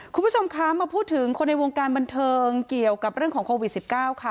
คุณผู้ชมคะมาพูดถึงคนในวงการบันเทิงเกี่ยวกับเรื่องของโควิด๑๙ค่ะ